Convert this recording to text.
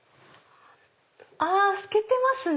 あ透けてますね！